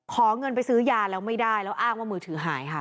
ขอเงินไปซื้อยาแล้วไม่ได้แล้วอ้างว่ามือถือหายค่ะ